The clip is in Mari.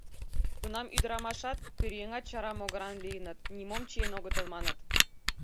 Тунам ӱдырамашат, пӧръеҥат чара могыран лийыныт, нимом чиен огытыл, маныт.